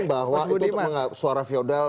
bahwa itu suara feodal